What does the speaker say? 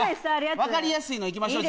分かりやすいの行きましょう。